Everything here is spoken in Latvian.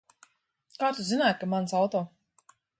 Kā tu zināji, ka mans auto?